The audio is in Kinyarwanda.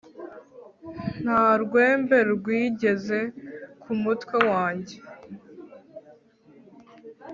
nta rwembe rwigeze ku mutwe wanjye